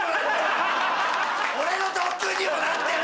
俺の特訓にもなってる！